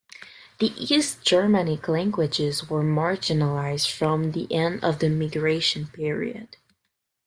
The East Germanic languages were marginalized from the end of the Migration period.